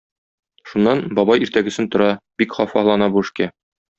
Шуннан, бабай иртәгесен тора, бик хафалана бу эшкә.